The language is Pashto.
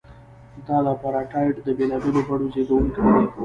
دا د اپارټایډ د بېلابېلو بڼو زیږوونکی دی.